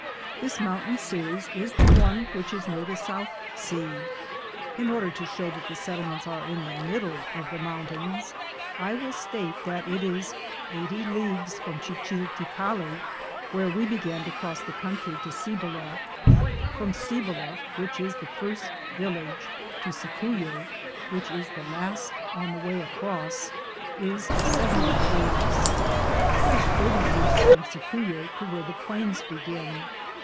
This mountain series is the one which is near the South sea. 1 In order to show that the settlements are in the middle of the mountains, I will state that it is 80 leagues from Cbichilticalli, where we began to cross this country, to Cibola; from Cibola, which is the first village, to Cicuye, which is the last on the way across, is 70 leagues ; it is 30 leagues from Cicuye to where the plains begin.